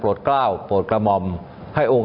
ไปเยี่ยมผู้แทนพระองค์